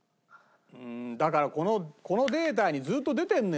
だからこのこのデータにずっと出てるのよ。